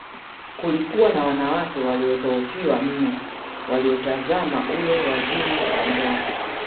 Kulikuwa na wanawake waliodhoofiwa mno waliotazama ule wazimu wa njaa